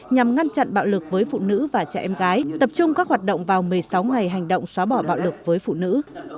nhằm ngăn chặn bạo lực với phụ nữ và trẻ em gái tập trung các hoạt động vào một mươi sáu ngày hành động xóa bỏ bạo lực với phụ nữ